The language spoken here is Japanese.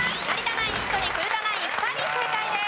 ナイン１人古田ナイン２人正解です。